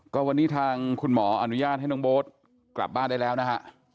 ก็วันนี้ทางคุณหมออนุญาตให้น้องโบ๊ทกลับบ้านได้แล้วนะฮะ